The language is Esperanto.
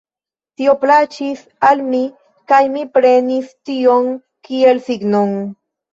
Tio plaĉis al mi kaj mi prenis tion kiel signon.